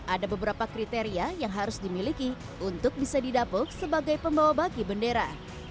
ada beberapa kriteria yang harus dimiliki untuk bisa didapuk sebagai pembawa baki bendera